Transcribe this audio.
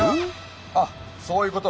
あっそういうこと。